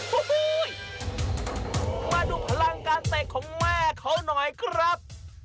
โอ้โหมาดูพลังการเตะของแม่เขาหน่อยครับ